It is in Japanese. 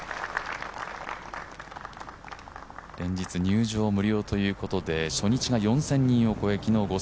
連日入場無料ということで初日が４０００人を超え昨日５０００人